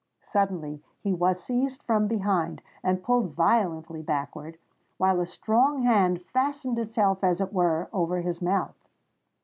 Suddenly he was seized from behind, and pulled violently backward, while a strong hand fastened itself as it were over his mouth.